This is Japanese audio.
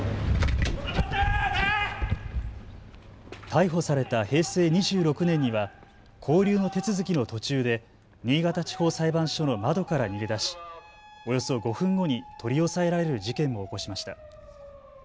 逮捕された平成２６年には勾留の手続きの途中で新潟地方裁判所の窓から逃げ出しおよそ５分後に取り押さえられる事件を起こしました。